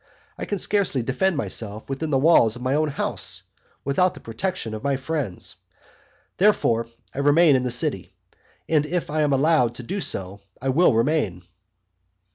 I can scarcely defend myself within the walls of my own house without the protection of my friends; therefore I remain in the city; and if I am allowed to do so I will remain.